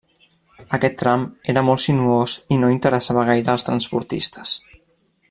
Aquest tram era molt sinuós i no interessava gaire als transportistes.